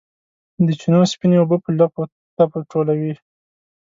د چینو سپینې اوبه په لپو، لپو ټولوي